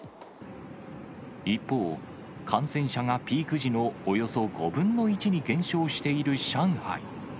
一方、感染者がピーク時のおよそ５分の１に減少している上海。